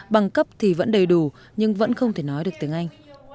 bằng cấp thì vẫn đầy đủ nhưng vẫn không thể nói được tiếng anh